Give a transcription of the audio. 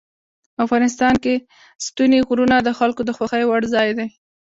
افغانستان کې ستوني غرونه د خلکو د خوښې وړ ځای دی.